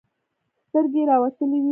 سترگې يې راوتلې وې.